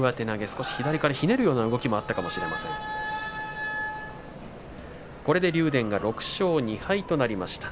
少し左からひねるような動きもあったかもしれません、竜電６勝２敗となりました。